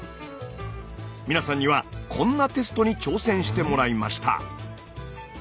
皆さんにはこんなテストに挑戦してもらいました。